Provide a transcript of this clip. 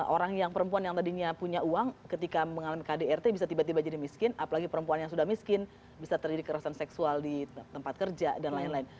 orang yang perempuan yang tadinya punya uang ketika mengalami kdrt bisa tiba tiba jadi miskin apalagi perempuan yang sudah miskin bisa terjadi kekerasan seksual di tempat kerja dan lain lain